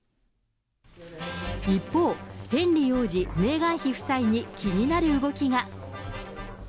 一方、ヘンリー王子、メーガン妃夫妻に気になる動きが。